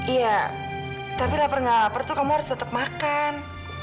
iya tapi lapar nggak lapar tuh kamu harus tetap makan